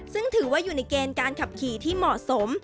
ซึ่งถือว่าอยู่ในเกณฑ์การขับขี่ที่เหมาะสม